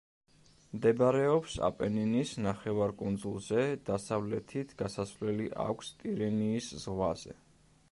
მდებარეობს აპენინის ნახევარკუნძულზე, დასავლეთით გასასვლელი აქვს ტირენიის ზღვაზე.